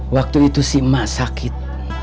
waktu itu si emak sakit